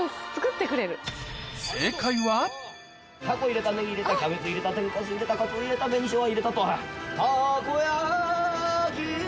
タコ入れたネギ入れたキャベツ入れた天かす入れたカツオ入れた紅しょうが入れたと。